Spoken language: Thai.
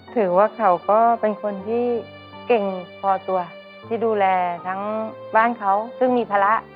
ถือว่าเขาก็เป็นคนที่เก่งพอตัวที่ดูแลทั้งบ้านเขาซึ่งมีภาระ